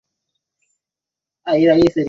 Ukibisha utafunguliwa.